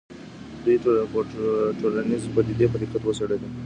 دوی ټولنیزې پدیدې په دقت وڅېړلې.